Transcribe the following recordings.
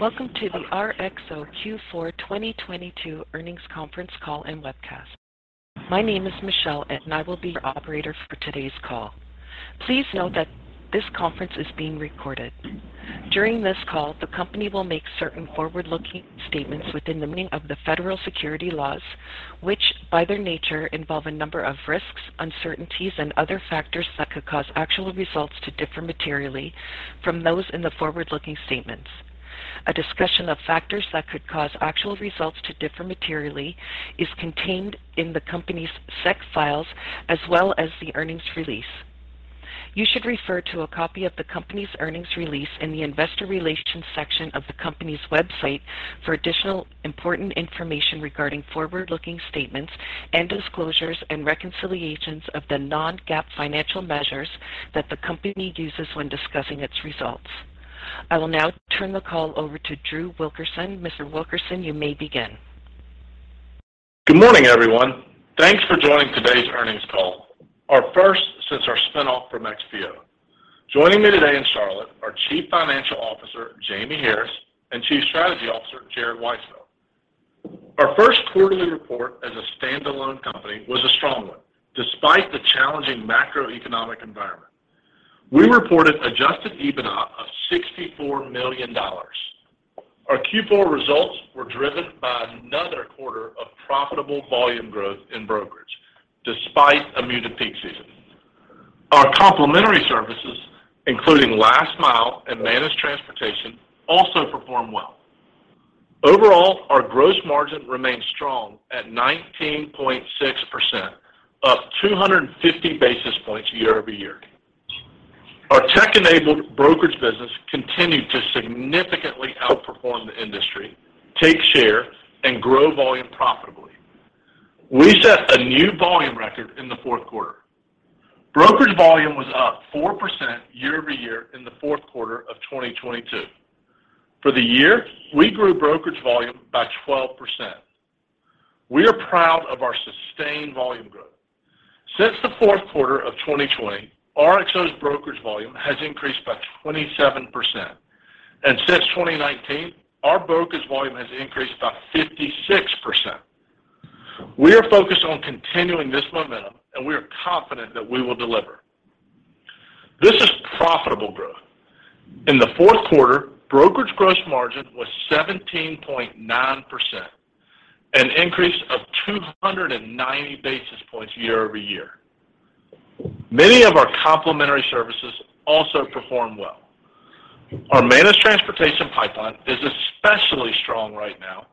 Welcome to the RXO Q4 2022 Earnings Conference Call and Webcast. My name is Michelle, and I will be your operator for today's call. Please note that this conference is being recorded. During this call, the company will make certain forward-looking statements within the meaning of the Federal Securities Laws, which, by their nature, involve a number of risks, uncertainties and other factors that could cause actual results to differ materially from those in the forward-looking statements. A discussion of factors that could cause actual results to differ materially is contained in the company's SEC files as well as the earnings release. You should refer to a copy of the company's earnings release in the investor relations section of the company's website for additional important information regarding forward-looking statements and disclosures and reconciliations of the non-GAAP financial measures that the company uses when discussing its results. I will now turn the call over to Drew Wilkerson. Mr. Wilkerson, you may begin. Good morning, everyone. Thanks for joining today's earnings call, our first since our spin-off from XPO. Joining me today in Charlotte, our Chief Financial Officer, Jamie Harris, Chief Strategy Officer, Jared Weisfeld. Our first quarterly report as a standalone company was a strong one despite the challenging macroeconomic environment. We reported adjusted EBITDA of $64 million. Our Q4 results were driven by another quarter of profitable volume growth in brokerage despite a muted peak season. Our complementary services, including last mile and managed transportation, also performed well. Overall, our gross margin remained strong at 19.6%, up 250 basis points year over year. Our tech-enabled brokerage business continued to significantly outperform the industry, take share, and grow volume profitably. We set a new volume record in the Q4. Brokerage volume was up 4% year-over-year in the Q4 of 2022. For the year, we grew brokerage volume by 12%. We are proud of our sustained volume growth. Since the Q4 of 2020, RXO's brokerage volume has increased by 27%. Since 2019, our brokerage volume has increased by 56%. We are focused on continuing this momentum, and we are confident that we will deliver. This is profitable growth. In the Q4, brokerage gross margin was 17.9%, an increase of 290 basis points year-over-year. Many of our complementary services also performed well. Our managed transportation pipeline is especially strong right now,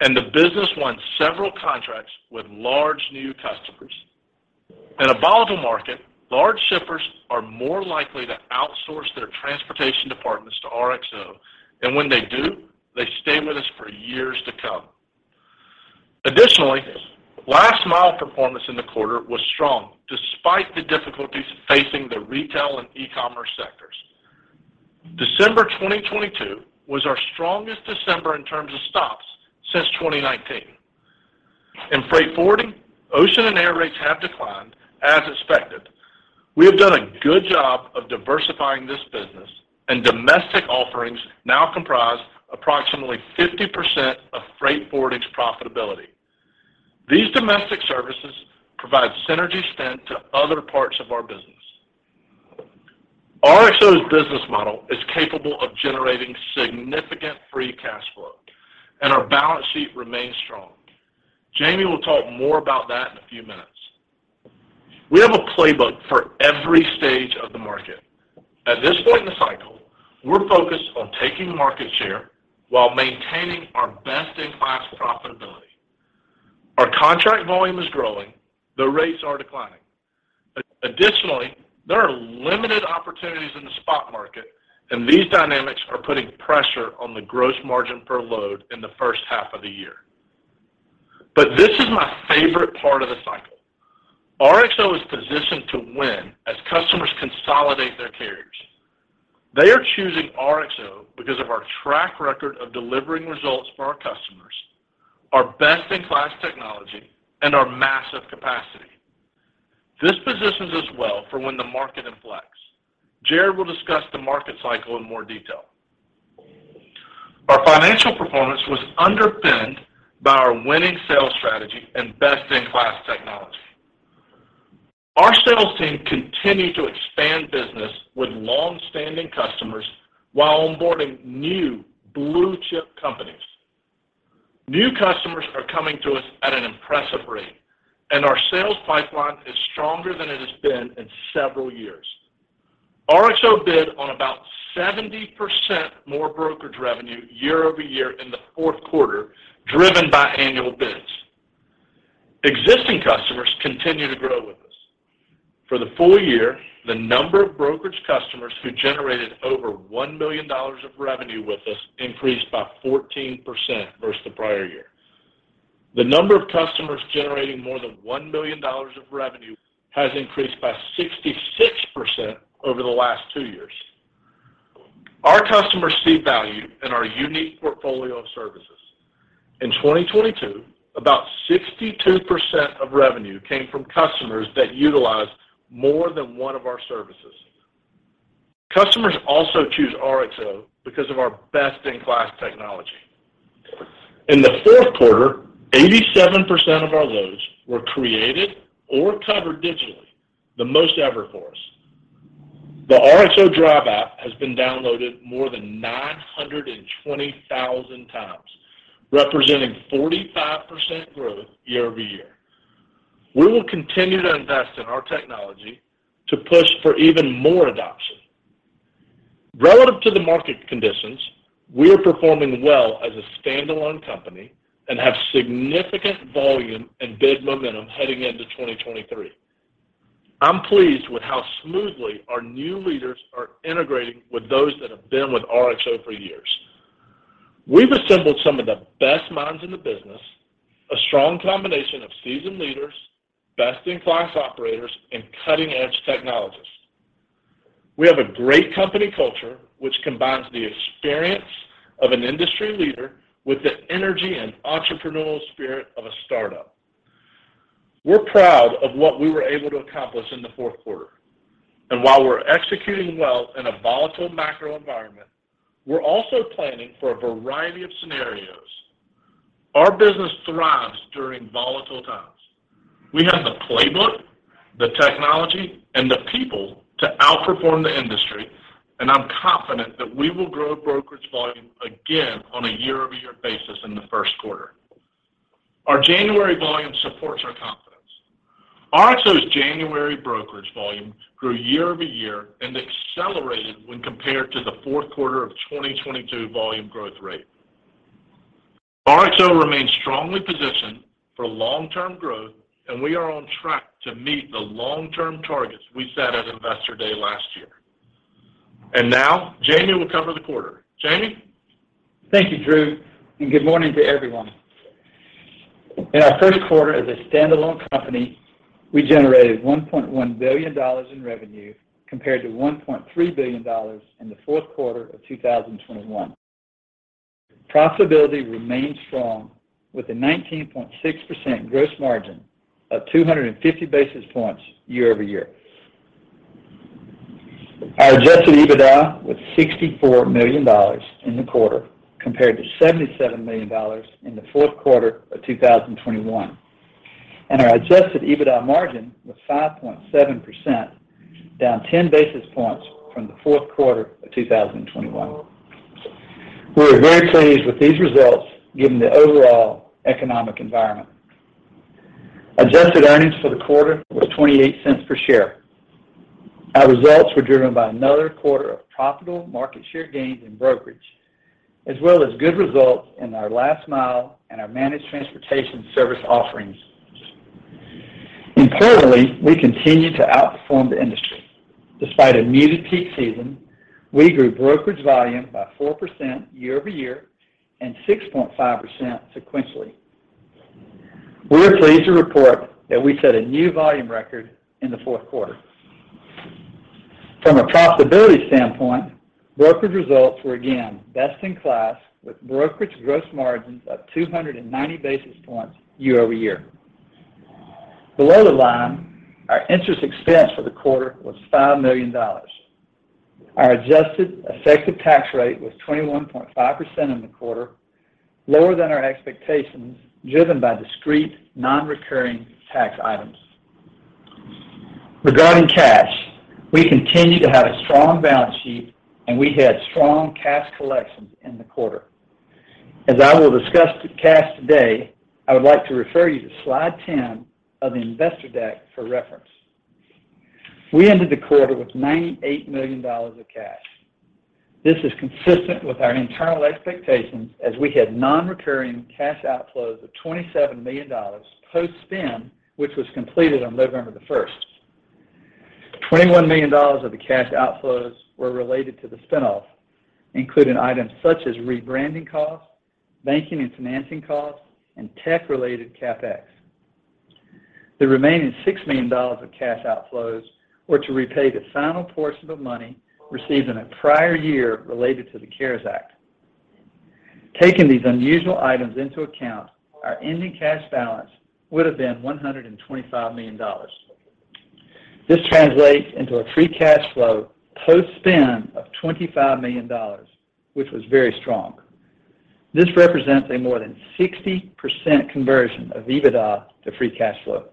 and the business won several contracts with large new customers. In a volatile market, large shippers are more likely to outsource their transportation departments to RXO. When they do, they stay with us for years to come. Additionally, last mile performance in the quarter was strong despite the difficulties facing the retail and e-commerce sectors. December 2022 was our strongest December in terms of stops since 2019. In freight forwarding, ocean and air rates have declined as expected. We have done a good job of diversifying this business. Domestic offerings now comprise approximately 50% of freight forwarding's profitability. These domestic services provide synergy spend to other parts of our business. RXO's business model is capable of generating significant free cash flow. Our balance sheet remains strong. Jamie will talk more about that in a few minutes. We have a playbook for every stage of the market. At this point in the cycle, we're focused on taking market share while maintaining our best-in-class profitability. Our contract volume is growing, the rates are declining. Additionally, there are limited opportunities in the spot market, these dynamics are putting pressure on the gross margin per load in the first half of the year. This is my favorite part of the cycle. RXO is positioned to win as customers consolidate their carriers. They are choosing RXO because of our track record of delivering results for our customers, our best-in-class technology, and our massive capacity. This positions us well for when the market inflects. Jared will discuss the market cycle in more detail. Our financial performance was underpinned by our winning sales strategy and best-in-class technology. Our sales team continued to expand business with long-standing customers while onboarding new blue-chip companies. New customers are coming to us at an impressive rate, and our sales pipeline is stronger than it has been in several years. RXO bid on about 70% more brokerage revenue year-over-year in the Q4, driven by annual bids. Existing customers continue to grow with us. For the full year, the number of brokerage customers who generated over $1 million of revenue with us increased by 14% versus the prior year. The number of customers generating more than $1 million of revenue has increased by 66% over the last two years. Our customers see value in our unique portfolio of services. In 2022, about 62% of revenue came from customers that utilize more than one of our services. Customers also choose RXO because of our best-in-class technology. In the Q4, 87% of our loads were created or covered digitally, the most ever for us. The RXO Drive app has been downloaded more than 920,000x, representing 45% growth year-over-year. We will continue to invest in our technology to push for even more adoption. Relative to the market conditions, we are performing well as a stand-alone company and have significant volume and bid momentum heading into 2023. I'm pleased with how smoothly our new leaders are integrating with those that have been with RXO for years. We've assembled some of the best minds in the business, a strong combination of seasoned leaders, best-in-class operators, and cutting-edge technologists. We have a great company culture, which combines the experience of an industry leader with the energy and entrepreneurial spirit of a startup. We're proud of what we were able to accomplish in the Q4. While we're executing well in a volatile macro environment, we're also planning for a variety of scenarios. Our business thrives during volatile times. We have the playbook, the technology, and the people to outperform the industry, and I'm confident that we will grow brokerage volume again on a year-over-year basis in the Q1. Our January volume supports our confidence. RXO's January brokerage volume grew year-over-year and accelerated when compared to the Q4 of 2022 volume growth rate. RXO remains strongly positioned for long-term growth, and we are on track to meet the long-term targets we set at Investor Day last year. Now, Jamie will cover the quarter. Jamie? Thank you, Drew. Good morning to everyone. In our Q1 as a stand-alone company, we generated $1.1 billion in revenue, compared to $1.3 billion in the Q4 of 2021. Profitability remained strong with a 19.6% gross margin of 250 basis points year-over-year. Our adjusted EBITDA was $64 million in the quarter, compared to $77 million in the Q4 of 2021. Our adjusted EBITDA margin was 5.7%, down 10 basis points from the Q4 of 2021. We are very pleased with these results given the overall economic environment. Adjusted earnings for the quarter was $0.28 per share. Our results were driven by another quarter of profitable market share gains in brokerage, as well as good results in our last mile and our managed transportation service offerings. Imperatively, we continue to outperform the industry. Despite a muted peak season, we grew brokerage volume by 4% year-over-year and 6.5% sequentially. We're pleased to report that we set a new volume record in the Q4. From a profitability standpoint, brokerage results were again best in class with brokerage gross margins of 290 basis points year-over-year. Below the line, our interest expense for the quarter was $5 million. Our adjusted effective tax rate was 21.5% in the quarter, lower than our expectations, driven by discrete non-recurring tax items. Regarding cash, we continue to have a strong balance sheet, and we had strong cash collections in the quarter. As I will discuss the cash today, I would like to refer you to slide 10 of the investor deck for reference. We ended the quarter with $98 million of cash. This is consistent with our internal expectations as we had non-recurring cash outflows of $27 million post-spin, which was completed on November 1st. $21 million of the cash outflows were related to the spin-off, including items such as rebranding costs, banking and financing costs, and tech-related CapEx. The remaining $6 million of cash outflows were to repay the final portion of money received in a prior year related to the CARES Act. Taking these unusual items into account, our ending cash balance would have been $125 million. This translates into a free cash flow post-spin of $25 million, which was very strong. This represents a more than 60% conversion of EBITDA to free cash flow.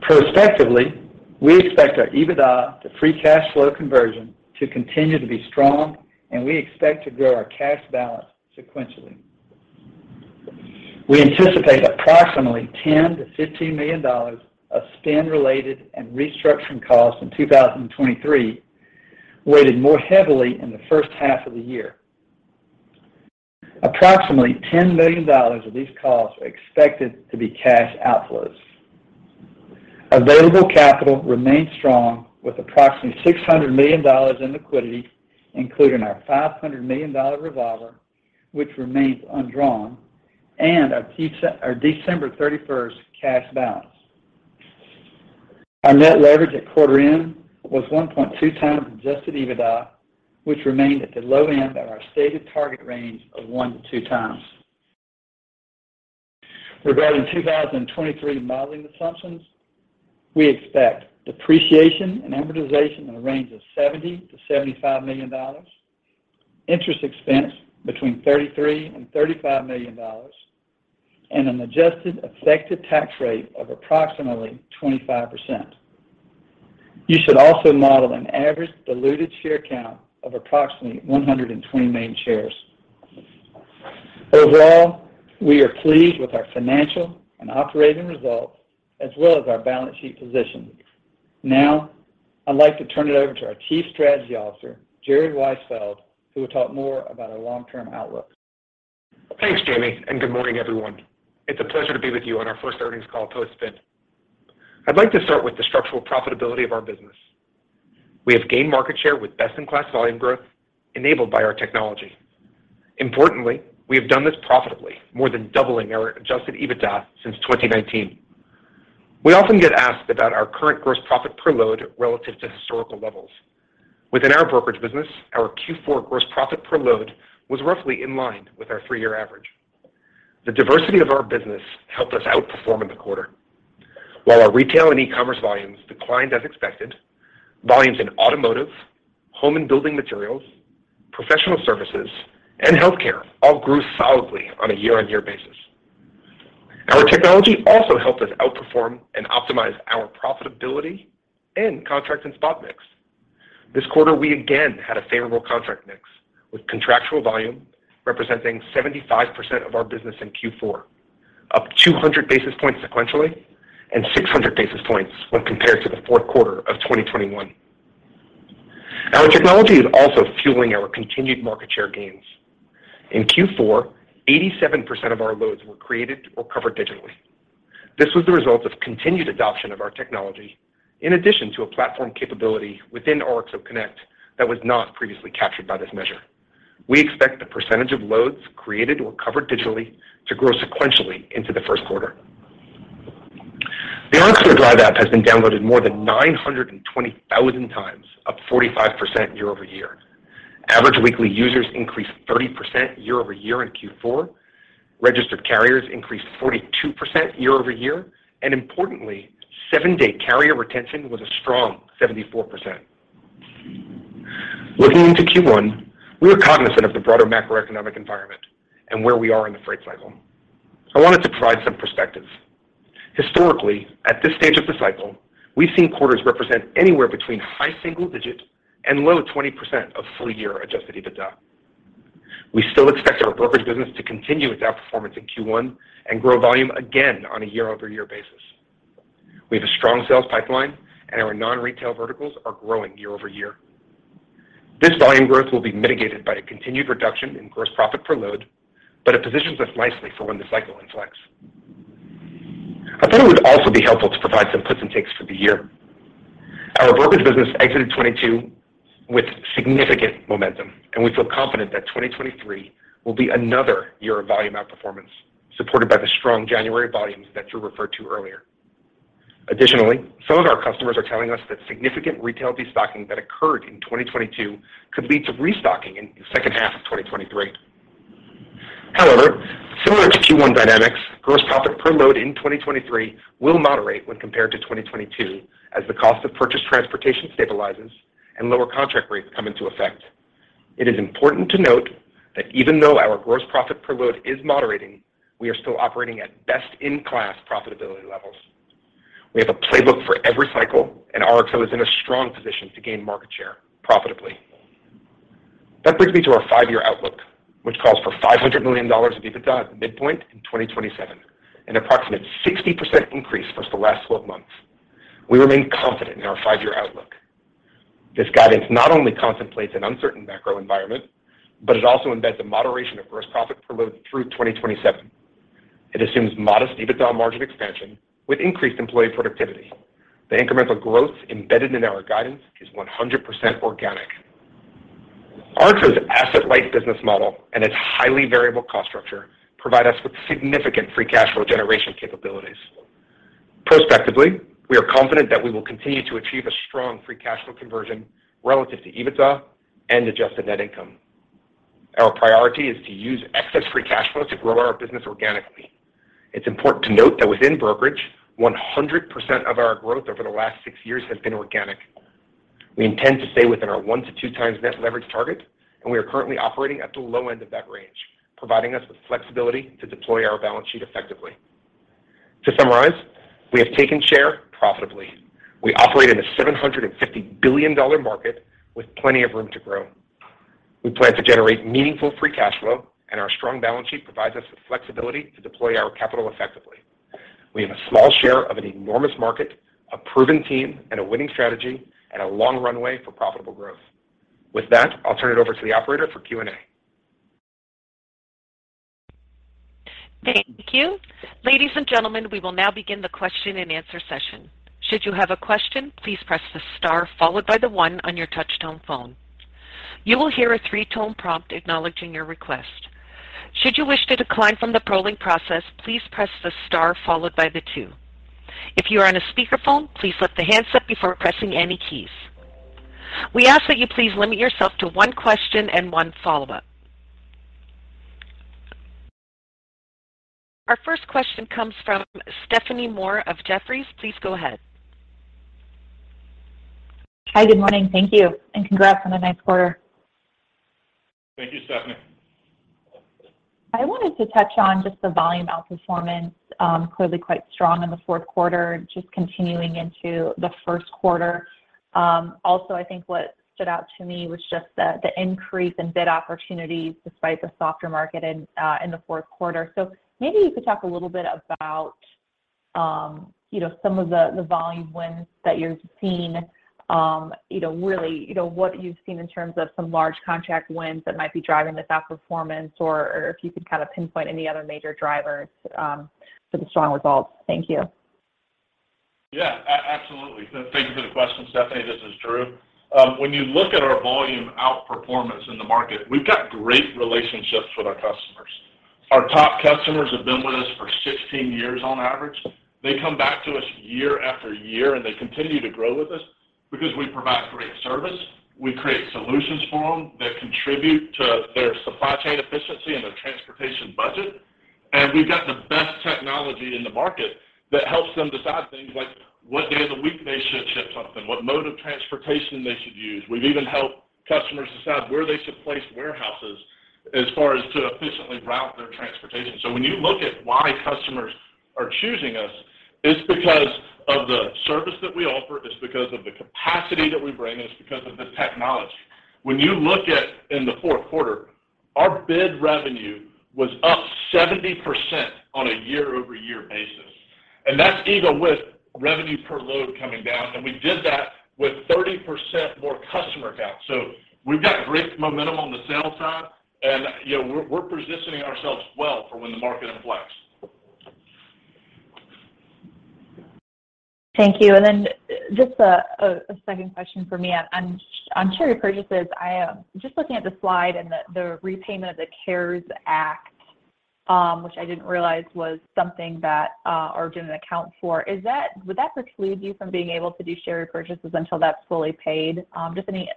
Prospectively, we expect our EBITDA to free cash flow conversion to continue to be strong, and we expect to grow our cash balance sequentially. We anticipate approximately $10 million-$15 million of spin-related and restructuring costs in 2023, weighted more heavily in the first half of the year. Approximately $10 million of these costs are expected to be cash outflows. Available capital remains strong with approximately $600 million in liquidity, including our $500 million revolver, which remains undrawn, and our peak our December 31st cash balance. Our net leverage at quarter end was 1.2x adjusted EBITDA, which remained at the low end of our stated target range of 1x-2x. Regarding 2023 modeling assumptions, we expect depreciation and amortization in the range of $70 million-$75 million, interest expense between $33 million and $35 million, and an adjusted effective tax rate of approximately 25%. You should also model an average diluted share count of approximately 120 million shares. Overall, we are pleased with our financial and operating results as well as our balance sheet position. Now I'd like to turn it over to our Chief Strategy Officer, Jared Weisfeld, who will talk more about our long-term outlook. Thanks, Jamie, and good morning, everyone. It's a pleasure to be with you on our first earnings call post-spin. I'd like to start with the structural profitability of our business. We have gained market share with best-in-class volume growth enabled by our technology. Importantly, we have done this profitably, more than doubling our adjusted EBITDA since 2019. We often get asked about our current gross profit per load relative to historical levels. Within our brokerage business, our Q4 gross profit per load was roughly in line with our three-year average. The diversity of our business helped us outperform in the quarter. While our retail and e-commerce volumes declined as expected, volumes in automotive, home and building materials, professional services, and healthcare all grew solidly on a year-on-year basis. Our technology also helped us outperform and optimize our profitability in contract and spot mix. This quarter, we again had a favorable contract mix, with contractual volume representing 75% of our business in Q4, up 200 basis points sequentially and 600 basis points when compared to the Q4 of 2021. Our technology is also fueling our continued market share gains. In Q4, 87% of our loads were created or covered digitally. This was the result of continued adoption of our technology in addition to a platform capability within RXO Connect that was not previously captured by this measure. We expect the percentage of loads created or covered digitally to grow sequentially into the Q1. The RXO Drive app has been downloaded more than 920,000 times, up 45% year-over-year. Average weekly users increased 30% year-over-year in Q4. Registered carriers increased 42% year-over-year. Importantly, seven-day carrier retention was a strong 74%. Looking into Q1, we are cognizant of the broader macroeconomic environment and where we are in the freight cycle. I wanted to provide some perspective. Historically, at this stage of the cycle, we've seen quarters represent anywhere between high single-digit and low 20% of full-year adjusted EBITDA. We still expect our brokerage business to continue its outperformance in Q1 and grow volume again on a year-over-year basis. We have a strong sales pipeline, and our non-retail verticals are growing year-over-year. This volume growth will be mitigated by a continued reduction in gross profit per load, it positions us nicely for when the cycle inflects. I thought it would also be helpful to provide some puts and takes for the year. Our brokerage business exited 2022 with significant momentum, and we feel confident that 2023 will be another year of volume outperformance, supported by the strong January volumes that Drew referred to earlier. Additionally, some of our customers are telling us that significant retail destocking that occurred in 2022 could lead to restocking in the second half of 2023. However, similar to Q1 dynamics, gross profit per load in 2023 will moderate when compared to 2022 as the cost of purchased transportation stabilizes and lower contract rates come into effect. It is important to note that even though our gross profit per load is moderating, we are still operating at best-in-class profitability levels. We have a playbook for every cycle, and RXO is in a strong position to gain market share profitably. That brings me to our five-year outlook, which calls for $500 million of EBITDA at the midpoint in 2027, an approximate 60% increase versus the last twelve months. We remain confident in our five-year outlook. This guidance not only contemplates an uncertain macro environment, it also embeds a moderation of gross profit per load through 2027. It assumes modest EBITDA margin expansion with increased employee productivity. The incremental growth embedded in our guidance is 100% organic. RXO's asset-light business model and its highly variable cost structure provide us with significant free cash flow generation capabilities. Prospectively, we are confident that we will continue to achieve a strong free cash flow conversion relative to EBITDA and adjusted net income. Our priority is to use excess free cash flow to grow our business organically. It's important to note that within brokerage, 100% of our growth over the last six years has been organic. We intend to stay within our 1x-2x net leverage target, and we are currently operating at the low end of that range, providing us with flexibility to deploy our balance sheet effectively. To summarize, we have taken share profitably. We operate in a $750 billion market with plenty of room to grow. We plan to generate meaningful free cash flow, and our strong balance sheet provides us with flexibility to deploy our capital effectively. We have a small share of an enormous market, a proven team, and a winning strategy, and a long runway for profitable growth. With that, I'll turn it over to the operator for Q&A. Thank you. Ladies and gentlemen, we will now begin the question-and-answer session. Should you have a question, please press the star followed by the one on your touch-tone phone. You will hear a three-tone prompt acknowledging your request. Should you wish to decline from the polling process, please press the star followed by the two. If you are on a speakerphone, please flip the handset before pressing any keys. We ask that you please limit yourself to one question and one follow-up. Our first question comes from Stephanie Moore of Jefferies. Please go ahead. Hi, good morning. Thank you and congrats on a nice quarter. Thank you, Stephanie. I wanted to touch on just the volume outperformance, clearly quite strong in the Q4, just continuing into the Q1. Also, I think what stood out to me was just the increase in bid opportunities despite the softer market in the Q4. Maybe you could talk a little bit about, you know, some of the volume wins that you're seeing, you know, really, you know, what you've seen in terms of some large contract wins that might be driving this outperformance or if you could kind of pinpoint any other major drivers for the strong results? Thank you. Yeah, absolutely. Thank you for the question, Stephanie. This is Drew. When you look at our volume outperformance in the market, we've got great relationships with our customers. Our top customers have been with us for 16 years on average. They come back to us year after year. They continue to grow with us because we provide great service. We create solutions for them that contribute to their supply chain efficiency and their transportation budget. We've got the best technology in the market that helps them decide things like what day of the week they should ship something, what mode of transportation they should use. We've even helped customers decide where they should place warehouses as far as to efficiently route their transportation. When you look at why customers are choosing us, it's because of the service that we offer, it's because of the capacity that we bring, it's because of the technology. When you look at in the Q4, our bid revenue was up 70% on a year-over-year basis, and that's even with revenue per load coming down, and we did that with 30% more customer accounts. We've got great momentum on the sales side, and, you know, we're positioning ourselves well for when the market reflects. Thank you. Just a second question from me. On share repurchases, I just looking at the slide and the repayment of the CARES Act, which I didn't realize was something that Origin account for. Would that preclude you from being able to do share repurchases until that's fully paid? Just any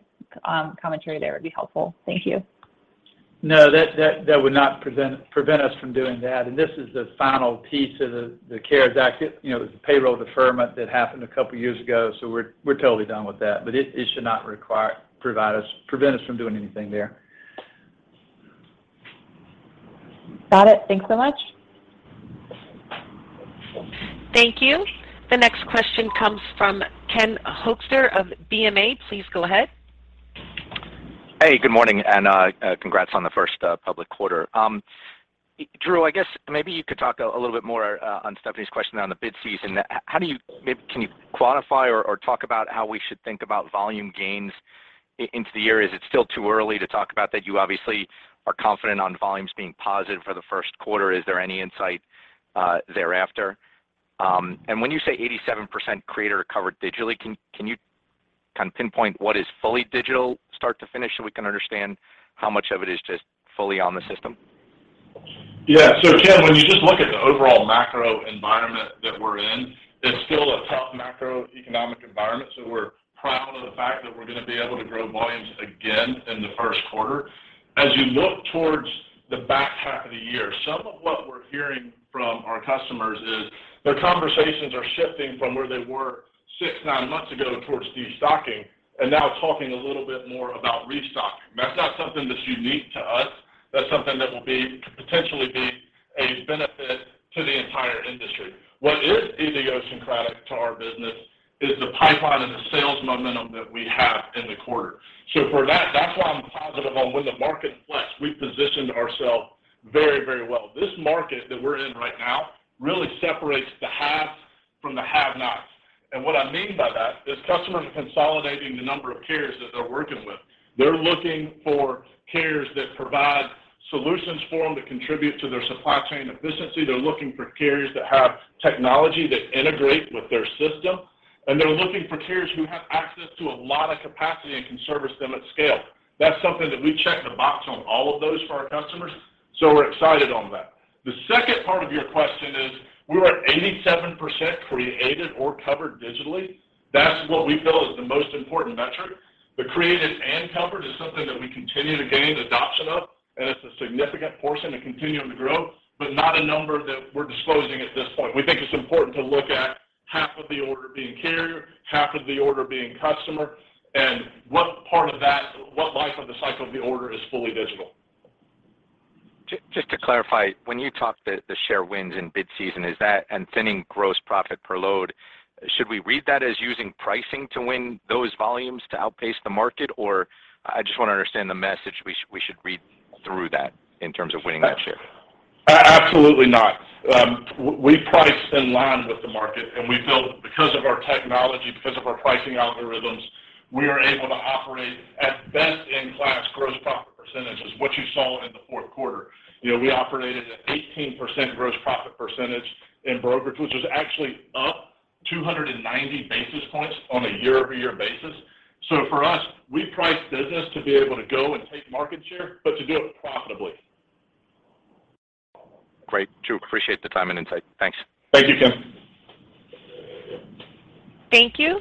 commentary there would be helpful. Thank you. No, that would not prevent us from doing that. This is the final piece of the CARES Act. It, you know, it was a payroll deferment that happened a couple years ago, so we're totally done with that. It should not prevent us from doing anything there. Got it. Thanks so much. Thank you. The next question comes from Ken Hoexter of BofA. Please go ahead. Hey, good morning, congrats on the first public quarter. Drew, I guess maybe you could talk a little bit more on Stephanie's question on the bid season. How do you maybe can you quantify or talk about how we should think about volume gains into the year? Is it still too early to talk about that? You obviously are confident on volumes being positive for the Q1. Is there any insight thereafter? When you say 87% created or covered digitally, can you kind of pinpoint what is fully digital start to finish so we can understand how much of it is just fully on the system? Yeah. Ken, when you just look at the overall macro environment that we're in, it's still a tough macroeconomic environment, we're proud of the fact that we're gonna be able to grow volumes again in the Q1. As you look towards the back half of the year, some of what we're hearing from our customers is their conversations are shifting from where they were six, nine months ago towards destocking and now talking a little bit more about restocking. That's not something that's unique to us. That's something that could potentially be a benefit to the entire industry. What is idiosyncratic to our business is the pipeline and the sales momentum that we have in the quarter. For that's why I'm positive on when the market reflects, we've positioned ourself very, very well. This market that we're in right now really separates the haves from the have-nots. What I mean by that is customers are consolidating the number of carriers that they're working with. They're looking for carriers that provide solutions for them to contribute to their supply chain efficiency. They're looking for carriers that have technology that integrate with their system. They're looking for carriers who have access to a lot of capacity and can service them at scale. That's something that we check the box on all of those for our customers, so we're excited on that. The second part of your question is we're at 87% created or covered digitally. That's what we feel is the most important metric. The created and covered is something that we continue to gain adoption of, and it's a significant portion and continuing to grow, but not a number that we're disclosing at this point. We think it's important to look at half of the order being carrier, half of the order being customer, and what life of the cycle of the order is fully digital. Just to clarify, when you talk the share wins in bid season, is that and thinning gross profit per load, should we read that as using pricing to win those volumes to outpace the market? I just want to understand the message we should read through that in terms of winning that share. Absolutely not. We price in line with the market, and we feel because of our technology, because of our pricing algorithms, we are able to operate at best in class gross profit percentages, what you saw in the Q4. You know, we operated at 18% gross profit percentage in brokerage, which was actually up 290 basis points on a year-over-year basis. For us, we price business to be able to go and take market share, but to do it profitably. Great. Drew, appreciate the time and insight. Thanks. Thank you, Ken. Thank you.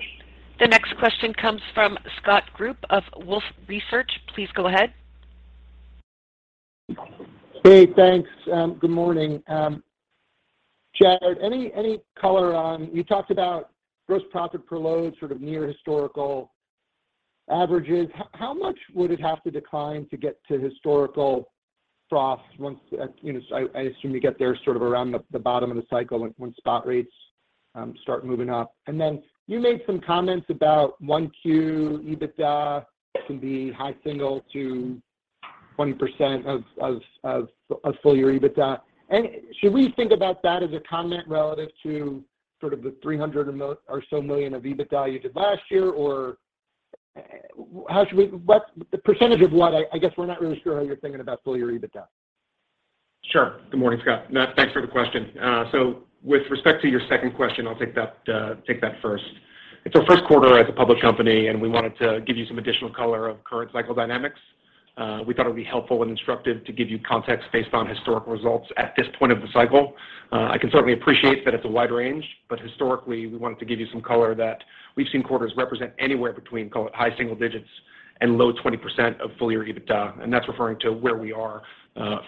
The next question comes from Scott Group of Wolfe Research. Please go ahead. Thanks. Good morning. Jared, any color on... You talked about gross profit per load, sort of near historical averages. How much would it have to decline to get to historical trough once, you know, I assume you get there sort of around the bottom of the cycle when spot rates start moving up. You made some comments about Q1 EBITDA can be high single to 20% of full year EBITDA. Should we think about that as a comment relative to sort of the $300 million or so of EBITDA you did last year? How should we what the percentage of what I guess we're not really sure how you're thinking about full year EBITDA. Sure. Good morning, Scott. No, thanks for the question. With respect to your second question, I'll take that first. It's our Q1 as a public company, and we wanted to give you some additional color of current cycle dynamics. We thought it'd be helpful and instructive to give you context based on historical results at this point of the cycle. I can certainly appreciate that it's a wide range, but historically, we wanted to give you some color that we've seen quarters represent anywhere between call it high single digits and low 20% of full year EBITDA, and that's referring to where we are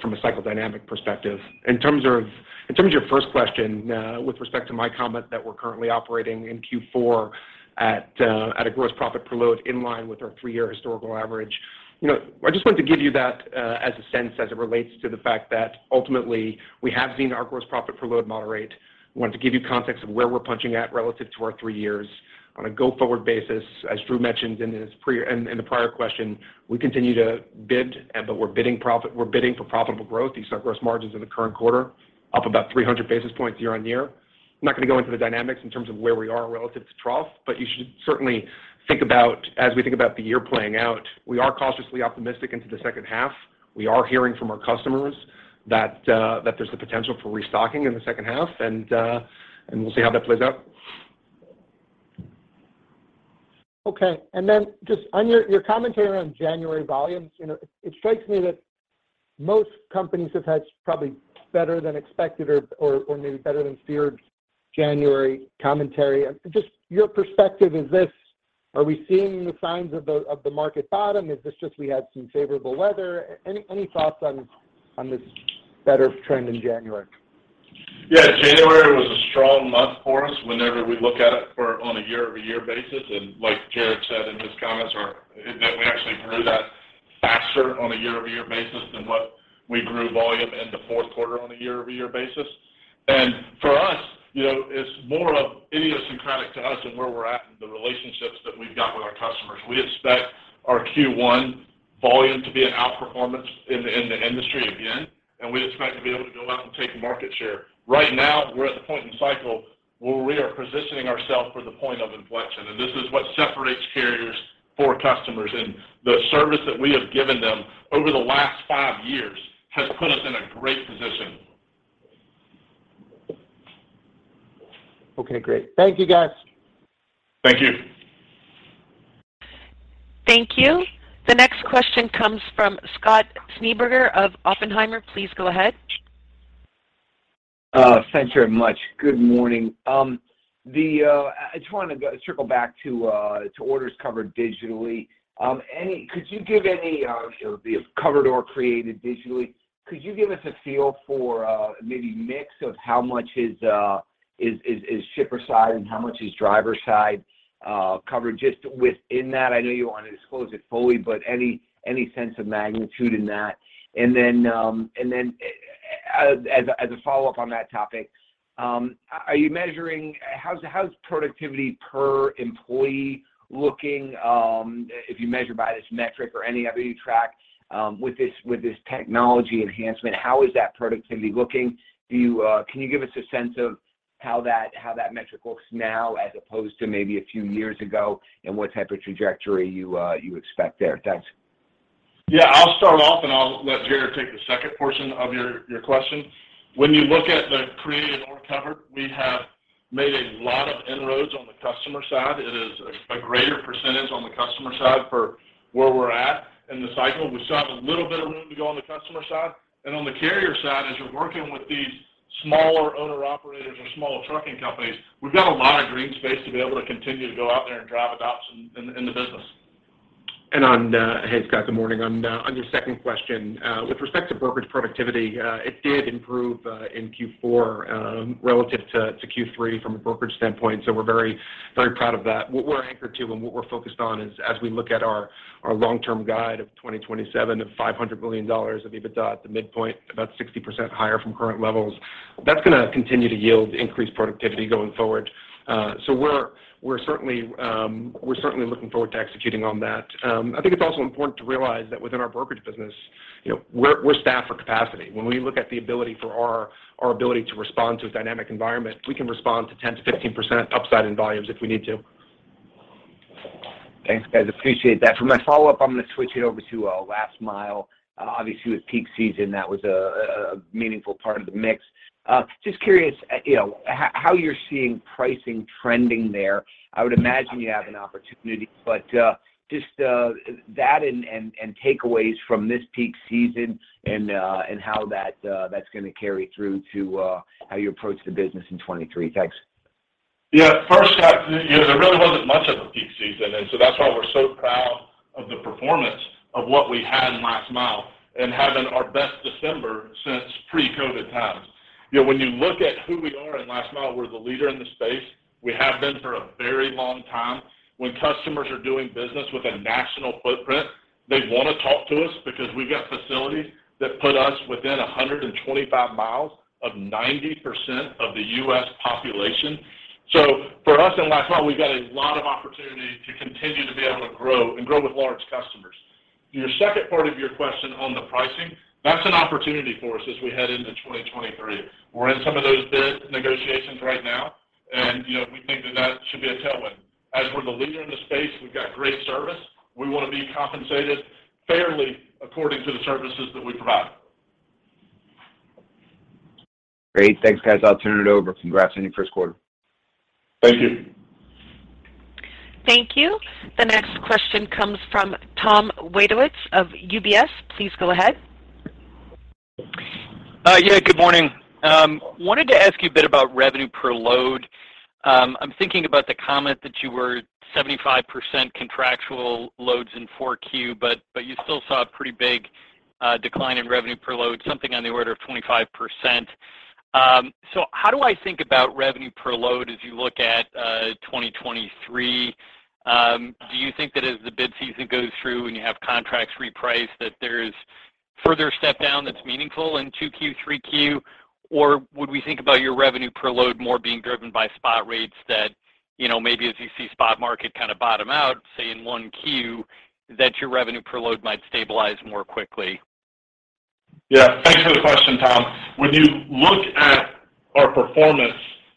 from a cycle dynamic perspective. In terms of your first question, with respect to my comment that we're currently operating in Q4 at a gross profit per load inline with our three-year historical average. You know, I just wanted to give you that as a sense as it relates to the fact that ultimately, we have seen our gross profit per load moderate. Wanted to give you context of where we're punching at relative to our three years. On a go-forward basis, as Drew mentioned in the prior question, we continue to bid, but we're bidding for profitable growth. You saw gross margins in the current quarter up about 300 basis points year-on-year. I'm not gonna go into the dynamics in terms of where we are relative to trough, but you should certainly think about as we think about the year playing out, we are cautiously optimistic into the second half. We are hearing from our customers that there's the potential for restocking in the second half, and we'll see how that plays out. Okay. Just on your commentary on January volumes, you know, it strikes me that most companies have had probably better than expected or maybe better than feared January commentary. Just your perspective, are we seeing the signs of the market bottom? Is this just we had some favorable weather? Any thoughts on this better trend in January? Yeah. January was a strong month for us whenever we look at it for on a year-over-year basis. Like Jared said in his comments is that we actually grew that faster on a year-over-year basis than what we grew volume in the Q4 on a year-over-year basis. For us, you know, it's more of idiosyncratic to us and where we're at and the relationships that we've got with our customers. We expect our Q1 volume to be an outperformance in the industry again, and we expect to be able to go out and take market share. Right now, we're at the point in cycle where we are positioning ourselves for the point of inflection, and this is what separates carriers for customers. The service that we have given them over the last five years has put us in a great position. Okay, great. Thank you, guys. Thank you. Thank you. The next question comes from Scott Schneeberger of Oppenheimer. Please go ahead. Thanks very much. Good morning. The, I just wanna go circle back to orders covered digitally. Any could you give any, you know, the covered or created digitally, could you give us a feel for, maybe mix of how much is shipper side and how much is driver side, covered just within that? I know you won't disclose it fully, but any sense of magnitude in that? Then, as a follow-up on that topic, are you measuring how's productivity per employee looking, if you measure by this metric or any other you track, with this technology enhancement, how is that productivity looking? Do you, can you give us a sense of how that, how that metric looks now as opposed to maybe a few years ago and what type of trajectory you expect there? Thanks. Yeah. I'll start off, and I'll let Jared take the second portion of your question. When you look at the created order cover, we have made a lot of inroads on the customer side. It is a greater percentage on the customer side for where we're at in the cycle. We still have a little bit of room to go on the customer side. On the carrier side, as we're working with these smaller owner-operators or smaller trucking companies, we've got a lot of green space to be able to continue to go out there and drive adoption in the business. On, hey, Scott, good morning. On your second question, with respect to brokerage productivity, it did improve in Q4, relative to Q3 from a brokerage standpoint, so we're very, very proud of that. What we're anchored to and what we're focused on is, as we look at our long-term guide of 2027 of $500 million of EBITDA at the midpoint, about 60% higher from current levels, that's gonna continue to yield increased productivity going forward. We're certainly looking forward to executing on that. I think it's also important to realize that within our brokerage business, you know, we're staffed for capacity. When we look at the ability for our ability to respond to a dynamic environment, we can respond to 10%-15% upside in volumes if we need to. Thanks guys, appreciate that. For my follow-up, I'm gonna switch it over to last mile. Obviously, with peak season, that was a meaningful part of the mix. Just curious, you know, how you're seeing pricing trending there. I would imagine you have an opportunity. Just that and takeaways from this peak season and how that's gonna carry through to how you approach the business in 2023. Thanks. Yeah. First, you know, there really wasn't much of a peak season, that's why we're so proud of the performance of what we had in last mile and having our best December since pre-COVID times. You know, when you look at who we are in last mile, we're the leader in the space. We have been for a very long time. When customers are doing business with a national footprint, they want to talk to us because we've got facilities that put us within 125 miles of 90% of the U.S. population. For us in last mile, we've got a lot of opportunity to continue to be able to grow and grow with large customers. Your second part of your question on the pricing, that's an opportunity for us as we head into 2023. We're in some of those bid negotiations right now, you know, we think that that should be a tailwind. We're the leader in the space, we've got great service. We want to be compensated fairly according to the services that we provide. Great. Thanks guys. I'll turn it over. Congrats on your Q1. Thank you. Thank you. The next question comes from Tom Wadewitz of UBS. Please go ahead. Yeah. Good morning. Wanted to ask you a bit about revenue per load. I'm thinking about the comment that you were 75% contractual loads in Q4, but you still saw a pretty big decline in revenue per load, something on the order of 25%. How do I think about revenue per load as you look at 2023? Do you think that as the bid season goes through and you have contracts repriced, that there's further step down that's meaningful in Q2, Q3? Or would we think about your revenue per load more being driven by spot rates that, you know, maybe as you see spot market kind of bottom out, say in Q1, that your revenue per load might stabilize more quickly? Yeah. Thanks for the question, Tom. When you look at our performance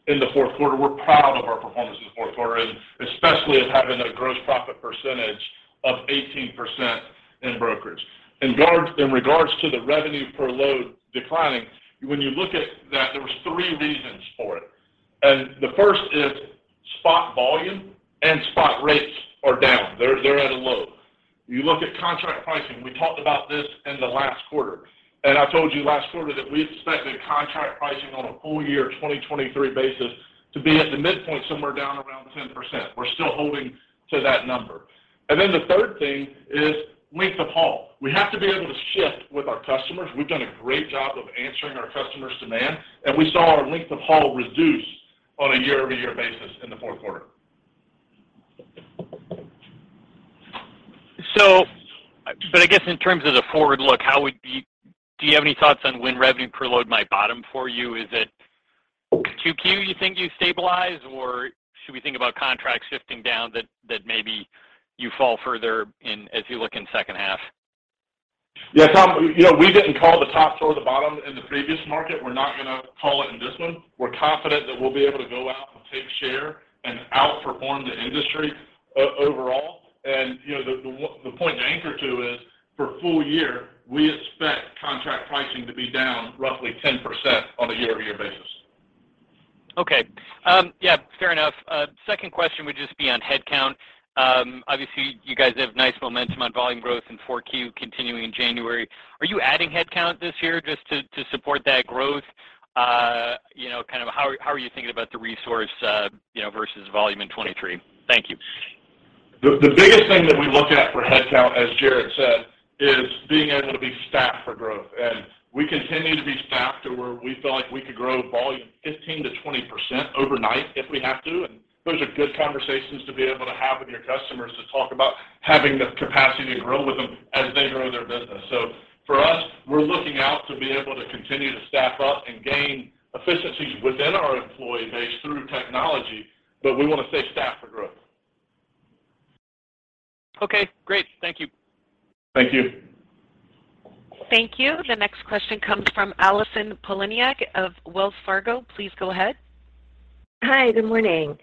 in the Q4, we're proud of our performance in the Q4, and especially of having a gross profit percentage of 18% in brokerage. In regards to the revenue per load declining, when you look at that, there was three reasons for it. The first is spot volume and spot rates are down. They're at a low. You look at contract pricing, we talked about this in the last quarter, and I told you last quarter that we expected contract pricing on a full year 2023 basis to be at the midpoint, somewhere down around 10%. We're still holding to that number. Then the third thing is length of haul. We have to be able to shift with our customers. We've done a great job of answering our customers' demand, and we saw our length of haul reduce on a year-over-year basis in the Q4. I guess in terms of the forward look, how would you Do you have any thoughts on when revenue per load might bottom for you? Is it Q2 you think you stabilize, or should we think about contracts shifting down that maybe you fall further in as you look in second half? Yeah. Tom, you know, we didn't call the top toward the bottom in the previous market. We're not gonna call it in this one. We're confident that we'll be able to go out and take share and outperform the industry overall. You know, the point to anchor to is, for full year, we expect contract pricing to be down roughly 10% on a year-over-year basis. Yeah, fair enough. Second question would just be on headcount. Obviously you guys have nice momentum on volume growth in Q4 continuing in January. Are you adding headcount this year just to support that growth? You know, kind of how are you thinking about the resource, you know, versus volume in 2023? Thank you. The biggest thing that we look at for headcount, as Jared said, is being able to be staffed for growth. We continue to be staffed to where we feel like we could grow volume 15%-20% overnight if we have to. Those are good conversations to be able to have with your customers, to talk about having the capacity to grow with them as they grow their business. For us, we're looking out to be able to continue to staff up and gain efficiencies within our employee base through technology, but we want to stay staffed for growth. Okay, great. Thank you. Thank you. Thank you. The next question comes from Allison Poliniak of Wells Fargo. Please go ahead. Hi. Good morning.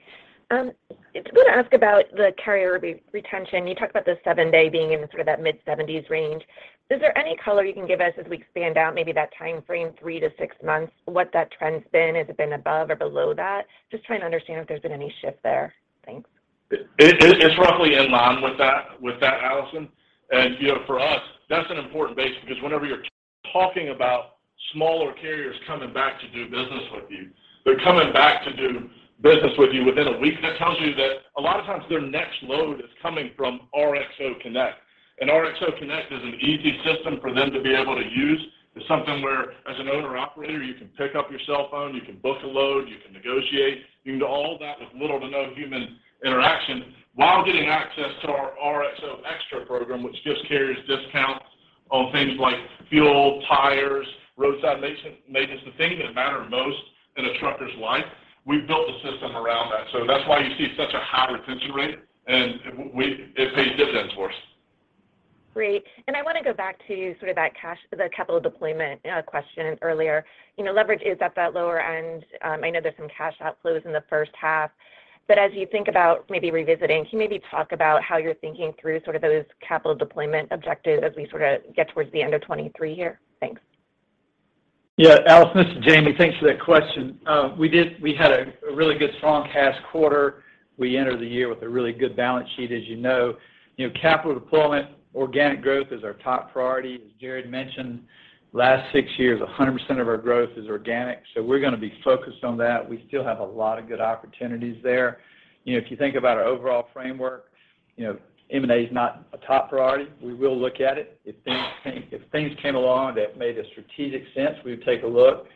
Just want to ask about the carrier retention. You talked about the seven-day being in sort of that mid-seventies range. Is there any color you can give us as we expand out maybe that timeframe, three to six months, what that trend's been? Has it been above or below that? Just trying to understand if there's been any shift there. Thanks. It's roughly in line with that, Allison. You know, for us, that's an important base because whenever you're talking about smaller carriers coming back to do business with you, they're coming back to do business with you within a week, that tells you that a lot of times their next load is coming from RXO Connect. RXO Connect is an easy system for them to be able to use. It's something where, as an owner-operator, you can pick up your cell phone, you can book a load, you can negotiate. You can do all of that with little to no human interaction while getting access to our RXO Extra program, which gives carriers discounts on things like fuel, tires, roadside maintenance, the things that matter most in a trucker's life. We've built the system around that. That's why you see such a high retention rate, and it pays dividends for us. Great. I want to go back to sort of that the capital deployment question and earlier. You know, leverage is at that lower end. I know there's some cash outflows in the first half, but as you think about maybe revisiting, can you maybe talk about how you're thinking through sort of those capital deployment objectives as we sort of get towards the end of 2023 here? Thanks. Yeah. Allison, this is Jamie. Thanks for that question. We had a really good strong cash quarter. We entered the year with a really good balance sheet, as you know. You know, capital deployment, organic growth is our top priority. As Jared mentioned, last 6 years, 100% of our growth is organic, so we're gonna be focused on that. We still have a lot of good opportunities there. You know, if you think about our overall framework, you know, M&A is not a top priority. We will look at it. If things came along that made a strategic sense, we would take a look.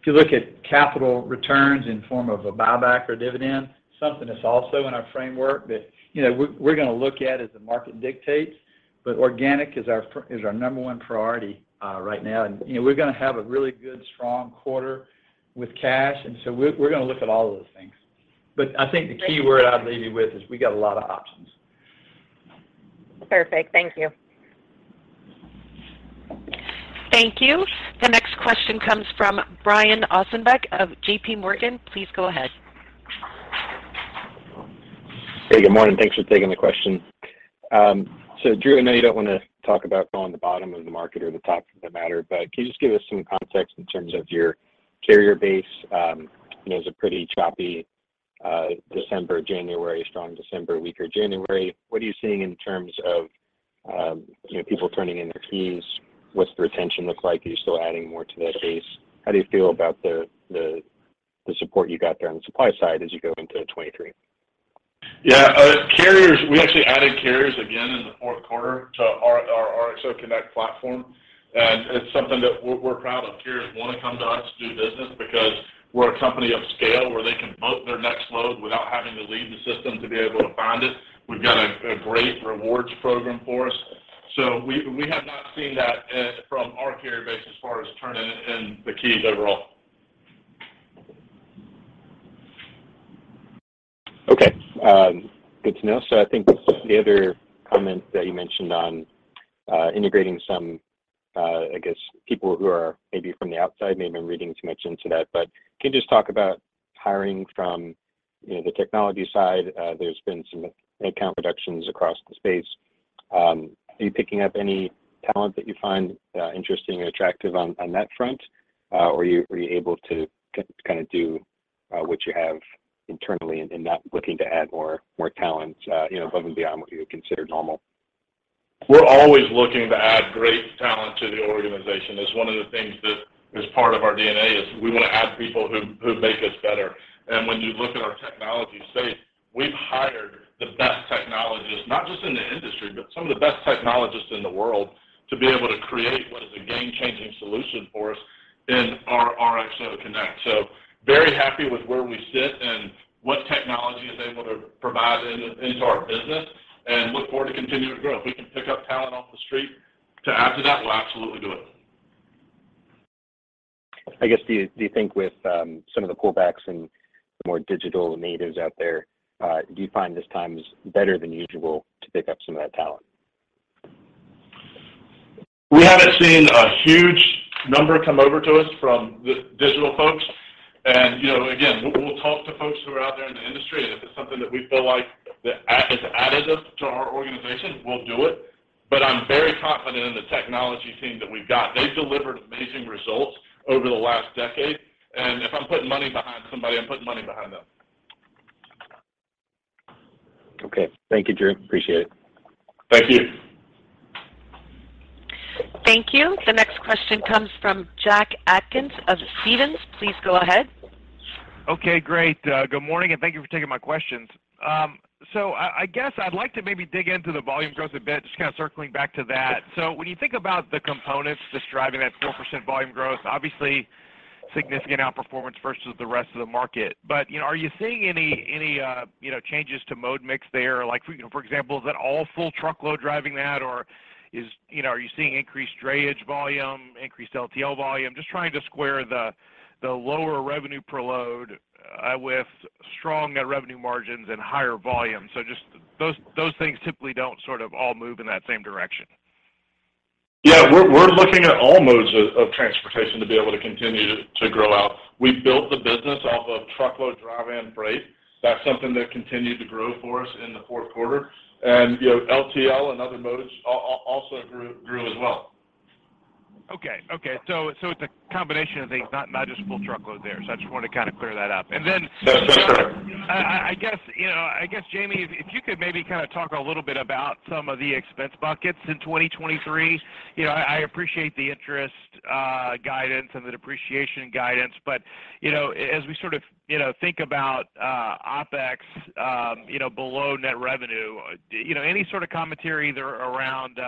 If you look at capital returns in form of a buyback or dividend, something that's also in our framework that, you know, we're gonna look at as the market dictates, but organic is our number one priority right now. You know, we're gonna have a really good, strong quarter with cash. We're gonna look at all of those things. I think the key word I'd leave you with is we got a lot of options. Perfect. Thank you. Thank you. The next question comes from Brian Ossenbeck of J.P. Morgan. Please go ahead. Hey, good morning. Thanks for taking the question. Drew, I know you don't want to talk about going the bottom of the market or the top for that matter, but can you just give us some context in terms of your carrier base? I know it was a pretty choppy December, January. Strong December, weaker January. What are you seeing in terms of, you know, people turning in their keys? What's the retention look like? Are you still adding more to that base? How do you feel about the support you got there on the supply side as you go into 2023? Yeah. Carriers, we actually added carriers again in the Q4 to our RXO Connect platform, and it's something that we're proud of. Carriers want to come to us to do business because we're a company of scale where they can book their next load without having to leave the system to be able to find it. We've got a great rewards program for us. We have not seen that from our carrier base as far as turning in the keys overall. Okay. good to know. I think the other comments that you mentioned on integrating some, I guess people who are maybe from the outside may have been reading too much into that, but can you just talk about hiring from, you know, the technology side? There's been some headcount reductions across the space. Are you picking up any talent that you find interesting or attractive on that front? Or are you able to kind of do what you have internally and not looking to add more, more talent, you know, above and beyond what you would consider normal? We're always looking to add great talent to the organization. It's one of the things that is part of our DNA, is we want to add people who make us better. When you look at our technology space, we've hired the best technologists, not just in the industry, but some of the best technologists in the world to be able to create what is a game-changing solution for us in our RXO Connect. Very happy with where we sit and what technology is able to provide into our business and look forward to continuing to grow. If we can pick up talent off the street to add to that, we'll absolutely do it. I guess, do you think with some of the pullbacks and the more digital natives out there, do you find this time is better than usual to pick up some of that talent? We haven't seen a huge number come over to us from the digital folks. You know, again, we'll talk to folks who are out there in the industry, and if it's something that we feel like that is additive to our organization, we'll do it. I'm very confident in the technology team that we've got. They've delivered amazing results over the last decade. If I'm putting money behind somebody, I'm putting money behind them. Okay. Thank you, Drew. Appreciate it. Thank you. Thank you. The next question comes from Jack Atkins of Stephens. Please go ahead. Okay, great. Good morning, and thank you for taking my questions. I guess I'd like to maybe dig into the volume growth a bit, just kind of circling back to that. When you think about the components driving that 4% volume growth, obviously significant outperformance versus the rest of the market. You know, are you seeing any, you know, changes to mode mix there? Like, for, you know, for example, is that all full truckload driving that, or is, you know, are you seeing increased drayage volume, increased LTL volume? Just trying to square the lower revenue per load, with strong revenue margins and higher volume. Just those things typically don't sort of all move in that same direction. Yeah. We're looking at all modes of transportation to be able to continue to grow out. We built the business off of truckload, drive and freight. That's something that continued to grow for us in the Q4. You know, LTL and other modes also grew as well. Okay. Okay. So it's a combination of things, not just full truckload there. I just wanted to kind of clear that up. That's right. I guess, you know, I guess, Jamie, if you could maybe kind of talk a little bit about some of the expense buckets in 2023? You know, I appreciate the interest guidance and the depreciation guidance, but, you know, as we sort of, you know, think about OpEx, you know, below net revenue, you know, any sort of commentary either around,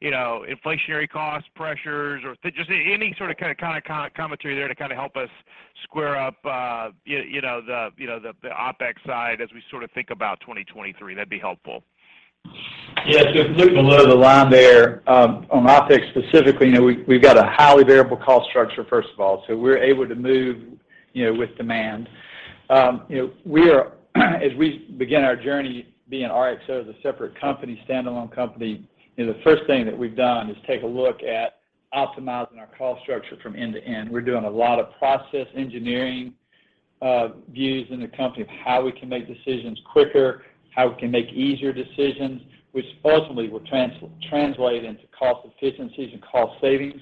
you know, inflationary cost pressures or just any sort of kind of commentary there to kind of help us square up, you know, the, you know, the OpEx side as we sort of think about 2023? That'd be helpful. Looking below the line there, on OpEx specifically, you know, we've got a highly variable cost structure, first of all, so we're able to move, you know, with demand. You know, as we begin our journey being RXO as a separate company, standalone company, you know, the first thing that we've done is take a look at optimizing our cost structure from end to end. We're doing a lot of process engineering, views in the company of how we can make decisions quicker, how we can make easier decisions, which ultimately will translate into cost efficiencies and cost savings.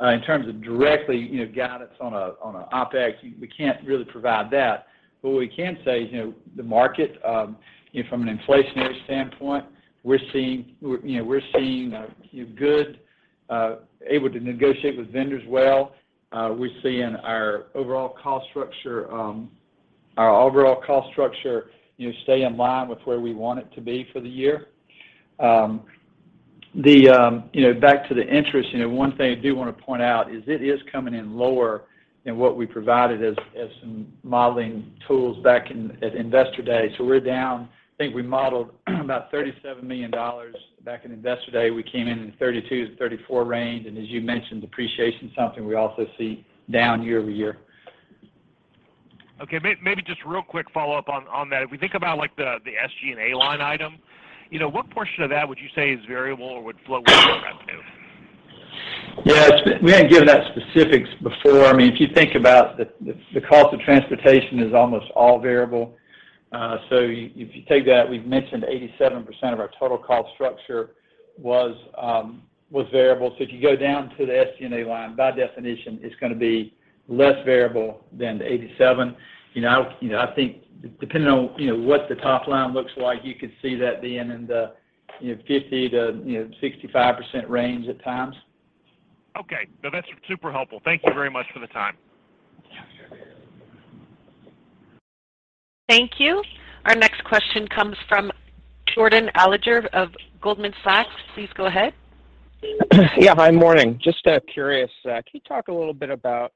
In terms of directly, you know, guidance on a, on a OpEx, we can't really provide that. What we can say is, you know, the market, you know, from an inflationary standpoint, we're seeing, you know, we're seeing a few good, able to negotiate with vendors well. We're seeing our overall cost structure, you know, stay in line with where we want it to be for the year. The, you know, back to the interest, you know, one thing I do wanna point out is it is coming in lower than what we provided as some modeling tools at Investor Day. We're down, I think we modeled about $37 million back in Investor Day. We came in in the $32-$34 range. As you mentioned, depreciation is something we also see down year-over-year. Okay. Maybe just real quick follow-up on that. If we think about, like, the SG&A line item, you know, what portion of that would you say is variable or would flow with revenue? We haven't given that specifics before. I mean, if you think about the cost of transportation is almost all variable. If you take that, we've mentioned 87% of our total cost structure was variable. If you go down to the SG&A line, by definition, it's gonna be less variable than the 87. You know, I think depending on, you know, what the top line looks like, you could see that being in the, you know, 50 to, you know, 65% range at times. Okay. No, that's super helpful. Thank you very much for the time. Yeah. Sure. Thank you. Our next question comes from Jordan Alliger of Goldman Sachs. Please go ahead. Yeah. Hi. Morning. Just curious, can you talk a little bit about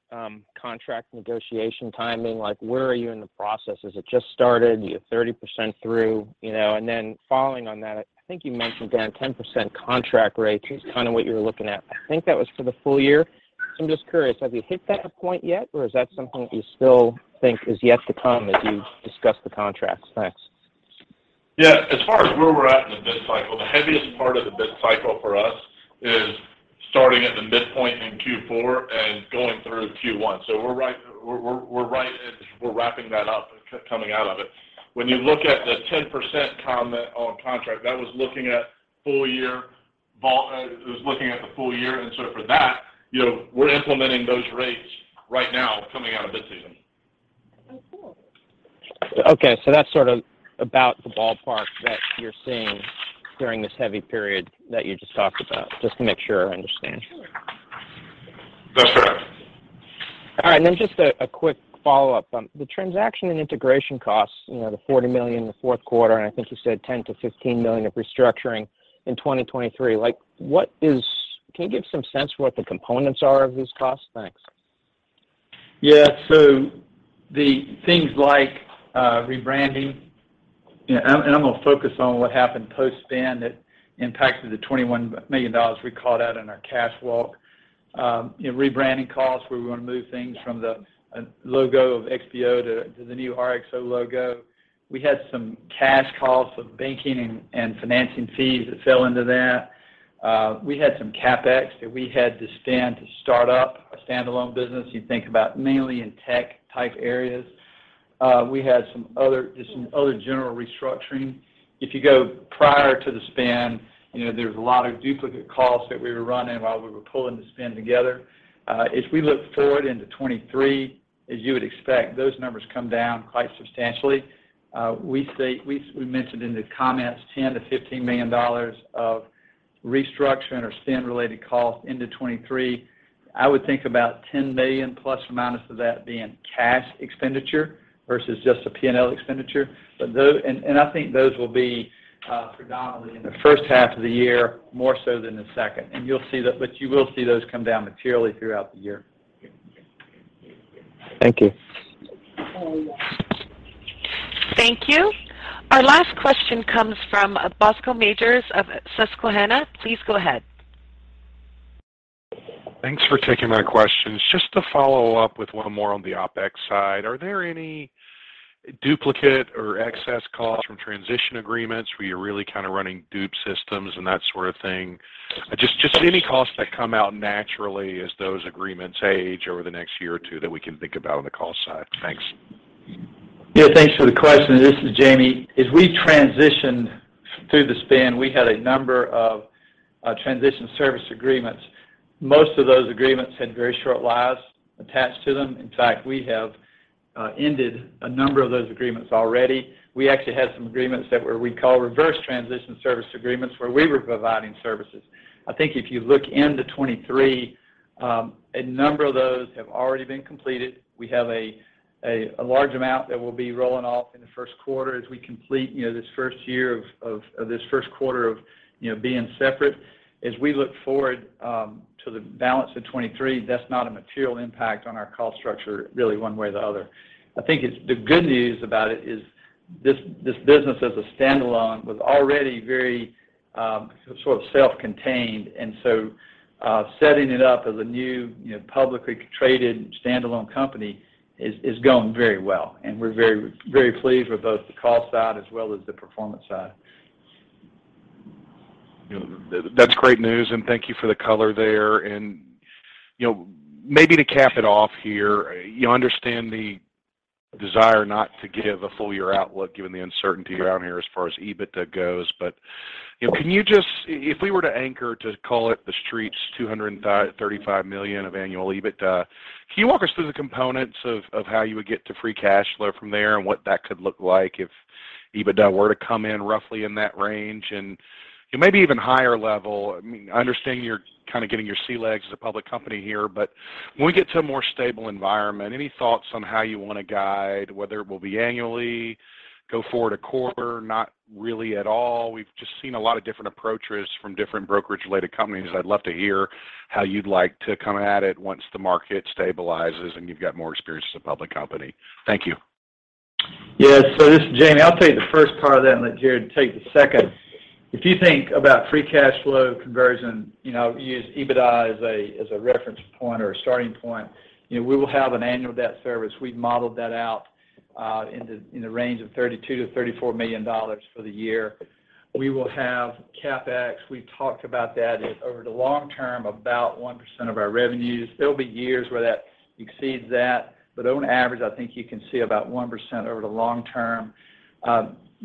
contract negotiation timing? Like, where are you in the process? Has it just started? Are you 30% through? You know, following on that, I think you mentioned, Dan, 10% contract rates is kind of what you're looking at. I think that was for the full year. I'm just curious, have you hit that point yet, or is that something that you still think is yet to come as you discuss the contracts? Thanks. Yeah. As far as where we're at in the bid cycle, the heaviest part of the bid cycle for us is starting at the midpoint in Q4 and going through Q1. We're right as we're wrapping that up and coming out of it. When you look at the 10% comment on contract, that was looking at full year, it was looking at the full year. For that, you know, we're implementing those rates right now coming out of bid season. That's sort of about the ballpark that you're seeing during this heavy period that you just talked about, just to make sure I understand. That's right. All right. Just a quick follow-up. The transaction and integration costs, you know, the $40 million in the Q4, and I think you said $10 million-$15 million of restructuring in 2023. Like, Can you give some sense for what the components are of these costs? Thanks. Yeah. The things like rebranding, you know, and I'm gonna focus on what happened post-spin that impacted the $21 million we called out in our cash walk. You know, rebranding costs, where we wanna move things from the logo of XPO to the new RXO logo. We had some cash costs of banking and financing fees that fell into that. We had some CapEx that we had to stand to start up a standalone business. You think about mainly in tech type areas. We had some other general restructuring. If you go prior to the spin, you know, there's a lot of duplicate costs that we were running while we were pulling the spin together. As we look forward into 2023, as you would expect, those numbers come down quite substantially. We mentioned in the comments $10 million-$15 million of restructuring or spin-related costs into 2023. I would think about $10 million ± of that being cash expenditure versus just a P&L expenditure. I think those will be predominantly in the first half of the year, more so than the second. You will see those come down materially throughout the year. Thank you. Thank you. Our last question comes from Bascome Majors of Susquehanna. Please go ahead. Thanks for taking my questions. Just to follow up with one more on the OpEx side. Are there any duplicate or excess costs from transition agreements where you're really kind of running dupe systems and that sort of thing? Just any costs that come out naturally as those agreements age over the next year or two that we can think about on the cost side. Thanks. Thanks for the question. This is Jamie. As we transitioned through the spin, we had a number of transition service agreements. Most of those agreements had very short lives attached to them. In fact, we have ended a number of those agreements already. We actually had some agreements that were what we call reverse transition service agreements, where we were providing services. I think if you look into 2023, a number of those have already been completed. We have a large amount that will be rolling off in the Q1 as we complete, you know, this first year of this Q1 of, you know, being separate. We look forward to the balance of 2023, that's not a material impact on our cost structure really one way or the other. I think the good news about it is this business as a standalone was already very, sort of self-contained. Setting it up as a new, you know, publicly traded standalone company is going very well. We're very, very pleased with both the cost side as well as the performance side. You know, that's great news, and thank you for the color there. You know, maybe to cap it off here, you understand the desire not to give a full year outlook given the uncertainty around here as far as EBITDA goes. You know, can you just if we were to anchor to call it the streets $235 million of annual EBITDA, can you walk us through the components of how you would get to free cash flow from there and what that could look like if EBITDA were to come in roughly in that range and, you know, maybe even higher level? I mean, I understand you're kind of getting your sea legs as a public company here, but when we get to a more stable environment, any thoughts on how you wanna guide, whether it will be annually, go forward a quarter, not really at all? We've just seen a lot of different approaches from different brokerage-related companies. I'd love to hear how you'd like to come at it once the market stabilizes and you've got more experience as a public company. Thank you. This is Jamie. I'll tell you the first part of that and let Jared take the second. If you think about free cash flow conversion, you know, use EBITDA as a reference point or a starting point, you know, we will have an annual debt service. We've modeled that out in the range of $32 million-$34 million for the year. We will have CapEx. We've talked about that as over the long term, about 1% of our revenues. There'll be years where that exceeds that. On average, I think you can see about 1% over the long term.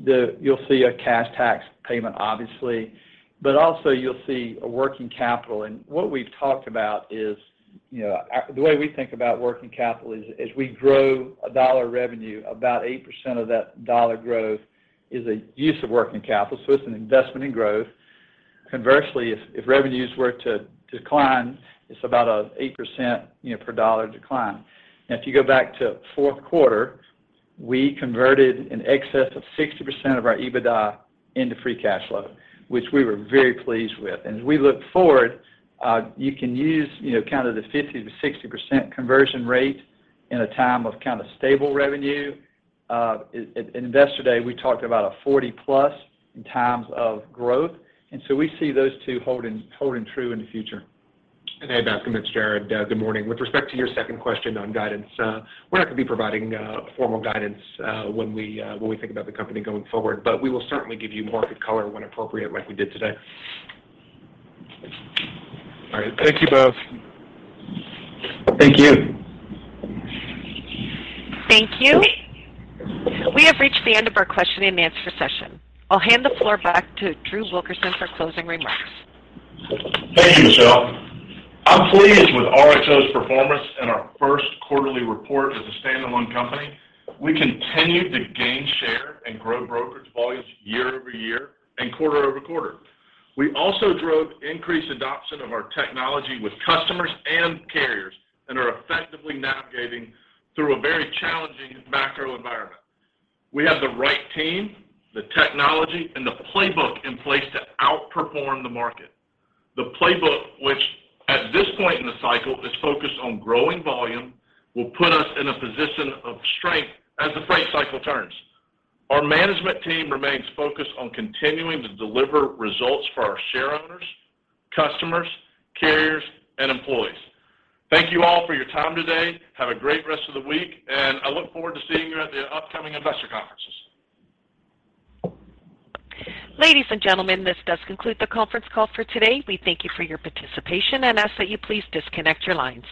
You'll see a cash tax payment, obviously, but also you'll see a working capital. What we've talked about is, you know, our... The way we think about working capital is, as we grow a $1 revenue, about 8% of that $1 growth is a use of working capital, so it's an investment in growth. Conversely, if revenues were to decline, it's about an 8%, you know, per $1 decline. Now, if you go back to Q4, we converted in excess of 60% of our EBITDA into free cash flow, which we were very pleased with. As we look forward, you can use, you know, kind of the 50%-60% conversion rate in a time of kind of stable revenue. In Investor Day, we talked about a 40+ in times of growth, so we see those two holding true in the future. Hey, Bascome, it's Jared. Good morning. With respect to your second question on guidance, we're not gonna be providing formal guidance when we think about the company going forward, we will certainly give you market color when appropriate like we did today. All right. Thank you both. Thank you. Thank you. We have reached the end of our question and answer session. I'll hand the floor back to Drew Wilkerson for closing remarks. Thank you, Michelle. I'm pleased with RXO's performance and our first quarterly report as a standalone company. We continued to gain share and grow brokerage volumes year-over-year and quarter-over-quarter. We also drove increased adoption of our technology with customers and carriers and are effectively navigating through a very challenging macro environment. We have the right team, the technology, and the playbook in place to outperform the market. The playbook, which at this point in the cycle is focused on growing volume, will put us in a position of strength as the freight cycle turns. Our management team remains focused on continuing to deliver results for our shareowners, customers, carriers, and employees. Thank you all for your time today. Have a great rest of the week, and I look forward to seeing you at the upcoming investor conferences. Ladies and gentlemen, this does conclude the conference call for today. We thank you for your participation and ask that you please disconnect your lines.